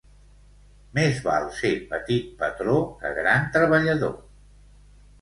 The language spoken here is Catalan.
Més val ser petit patró que gran treballador.